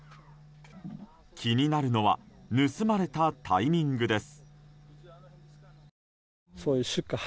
気になるのは盗まれたタイミングです。